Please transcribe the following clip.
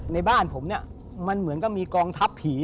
ในบ้านผมนะมันเหมือนมีกองทัพผี